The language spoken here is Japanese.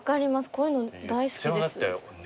こういうの大好きです。